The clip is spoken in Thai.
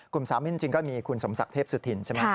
กลุ่มสามมิตรจริงก็มีคุณสมศักดิ์เทพสุธินใช่ไหมครับ